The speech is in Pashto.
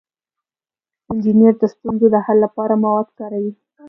انجینر د ستونزو د حل لپاره مواد کاروي.